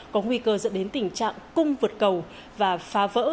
có nguy cơ dẫn đến tình trạng cung vượt cầu và phá vỡ